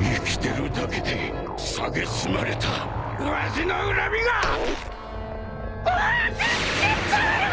生きてるだけでさげすまれたわしの恨みが分かってたまるか！